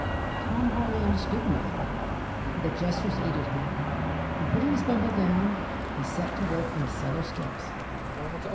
Tom hardly understood the man, but the gestures aided him, and putting his bundle down, he set to work on the cellar steps.